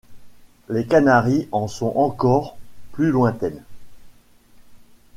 Les Canaries en sont encore plus lointaines.